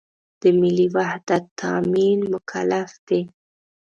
د ملي وحدت تأمین مکلف دی.